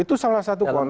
itu salah satu konten